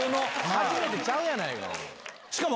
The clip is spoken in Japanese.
初めてちゃうやないか！